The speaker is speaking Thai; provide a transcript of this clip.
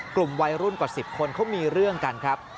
กลุ่มวัยรุ่นกว่า๑๐คนเขามีเรื่องกันครับ